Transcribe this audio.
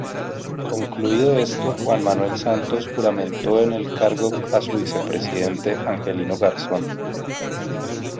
Concluido esto Juan Manuel Santos juramento en el cargo a su Vicepresidente Angelino Garzón.